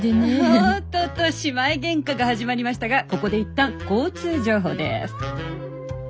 おっとと姉妹げんかが始まりましたがここで一旦交通情報です。